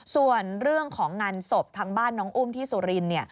ส่วนเรื่องของงานศพทางบ้านน้องอุ้มที่สุรินทร์